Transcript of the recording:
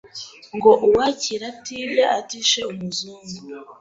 Ngo uwakira atibye atishe umuzungu